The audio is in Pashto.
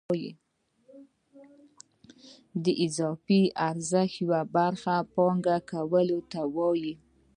د اضافي ارزښت یوې برخې پانګه کولو ته وایي